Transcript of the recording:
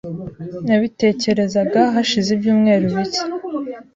Nabitekerezaga hashize ibyumweru bike .